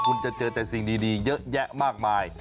คุณจะเจอแต่สิ่งดีเยอะแยะมากมาย